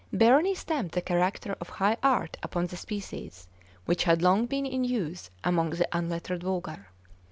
Berni stamped the character of high art upon the species, which had long been in use among the unlettered vulgar.